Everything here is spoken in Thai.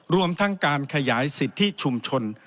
รวมทั้งการขยายสิทธิชุมชน